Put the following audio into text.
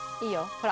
ほら。